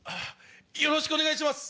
よろしくお願いします。